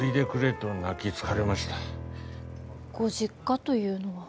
ご実家というのは。